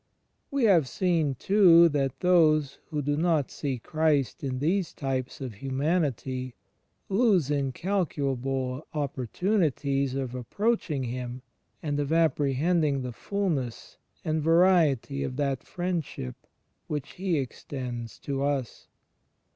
We have seen, too, that those who do not see Christ in these types of hirnian ity lose incalculable opportunities of approaching Him and of apprehending the fullness and variety of that Friendship which He extends to us.